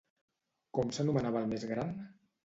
Com s'anomenava el més gran?